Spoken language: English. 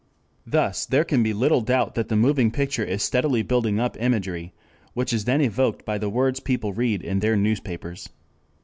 Thus there can be little doubt that the moving picture is steadily building up imagery which is then evoked by the words people read in their newspapers.